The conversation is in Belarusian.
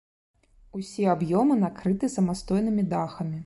Усе аб'ёмы накрыты самастойнымі дахамі.